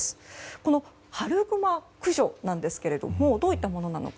この春グマ駆除なんですけどもどういったものなのか。